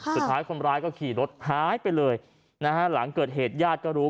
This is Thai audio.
สุดท้ายคนร้ายก็ขี่รถหายไปเลยนะฮะหลังเกิดเหตุญาติก็รู้